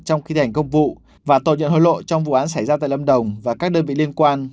trong khi thành công vụ và tội nhận hối lộ trong vụ án xảy ra tại lâm đồng và các đơn vị liên quan